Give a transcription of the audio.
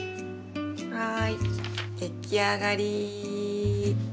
はい出来上がり！